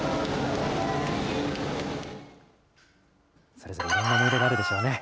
それぞれいろんな思い出があるでしょうね。